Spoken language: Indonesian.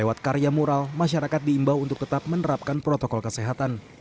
lewat karya mural masyarakat diimbau untuk tetap menerapkan protokol kesehatan